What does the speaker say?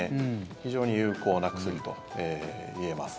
非常に有効な薬といえます。